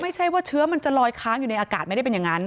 ไม่ใช่ว่าเชื้อมันจะลอยค้างอยู่ในอากาศไม่ได้เป็นอย่างนั้น